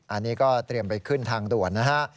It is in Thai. อันนี้ก็เตรียมไปขึ้นทางด่วนนะฮะ